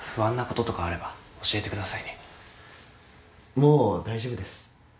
もう大丈夫です。